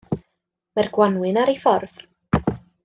Mae'r gwanwyn ar ei ffordd.